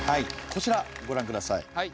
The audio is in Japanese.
こちらご覧下さい。